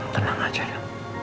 tenang aja elsa